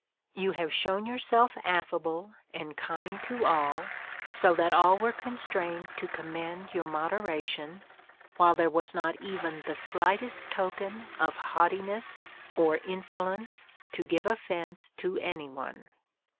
/You have shown yourself affable and kind to all, so that jQl were con strained to commend your moderation, while there was not even the slightest token of haughtiness or insolence to give offence to any one.